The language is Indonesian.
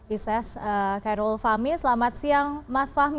ises kairul fahmi selamat siang mas fahmi